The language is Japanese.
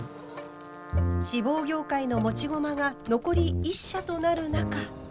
志望業界の持ち駒が残り１社となる中。